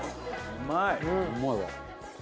うまいわ。